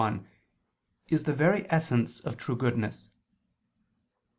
i), is the very essence of true goodness.